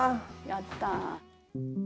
やったあ。